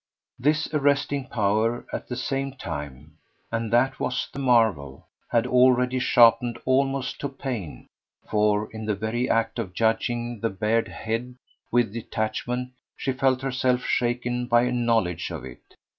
This arresting power, at the same time and that was the marvel had already sharpened almost to pain, for in the very act of judging the bared head with detachment she felt herself shaken by a knowledge of it.